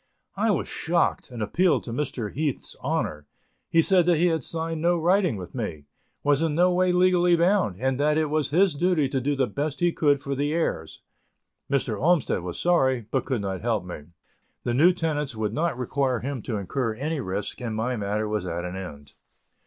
I was shocked, and appealed to Mr. Heath's honor. He said that he had signed no writing with me; was in no way legally bound, and that it was his duty to do the best he could for the heirs. Mr. Olmsted was sorry, but could not help me; the new tenants would not require him to incur any risk, and my matter was at an end.